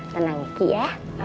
tenang kiki ya